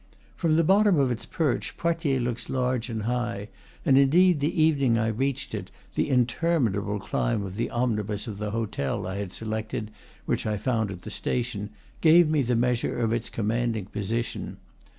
From the bottom of its perch Poitiers looks large and high; and indeed, the evening I reached it, the interminiable climb of the omnibus of the hotel I had selected, which I found at the station, gave me the measure of its commanding position.